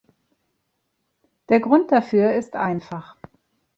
Der Grund dafür ist einfach.